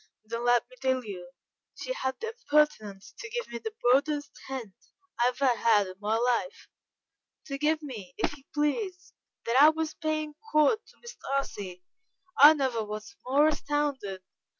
"Then let me tell you, she had the impertinence to give me the broadest hint I ever had in my life to give me, if you please! that I was paying court to Miss Darcy. I never was more astounded.